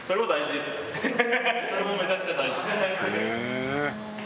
「へえ！」